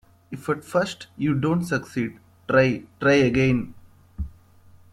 If at first you don't succeed, try, try again.